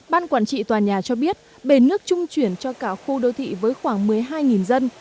ban quản trị tòa nhà cho biết bể nước trung chuyển cho cả khu đô thị với khoảng một mươi hai dân